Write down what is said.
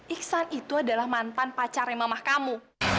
iksan itu adalah mantan pacarnya mamah kamu